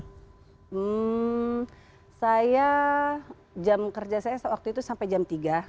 hmm saya jam kerja saya waktu itu sampai jam tiga